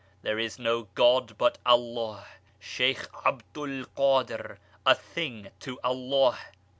A. There is no god but AllahShaykh Abd al Kadir a thing to Allah.